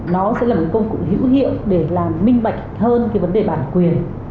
nó sẽ là một công cụ hữu hiệu để làm minh mạch hơn vấn đề bản quyền